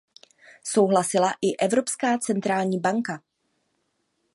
Souhlasila i Evropská centrální banka.